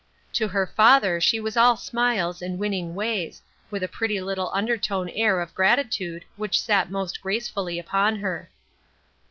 To her father she was all smiles and winning ways, with a pretty little undertone air of grati tude which sat most gracefully upon her.